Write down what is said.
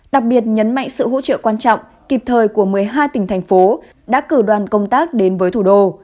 đặc biệt nhấn mạnh sự hỗ trợ quan trọng kịp thời của một mươi hai tỉnh thành phố đã cử đoàn công tác đến với thủ đô